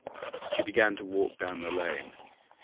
She began to walk down the lane.